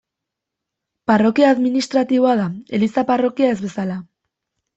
Parrokia administratiboa da, eliza-parrokia ez bezala.